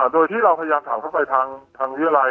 โดยที่เราพยายามถามเข้าไปทางวิทยาลัย